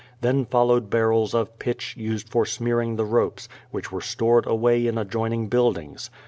Then followed barrels of pitch used for smearing the ropes, which were stored away in adjoining buildings.